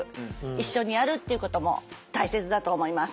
一緒にやるっていうことも大切だと思います。